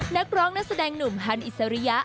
นักร้องนักแสดงหนุ่มฮันอิสริยะ